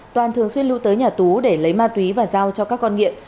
toàn thường xuyên lưu tới nhà tú để lấy ma túy và giao cho các con nghiện